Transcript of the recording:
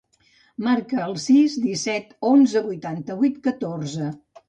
Marca el sis, disset, onze, vuitanta-vuit, catorze.